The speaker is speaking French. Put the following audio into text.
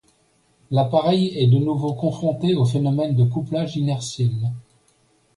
L'appareil est de nouveau confronté au phénomène de couplage inertiel.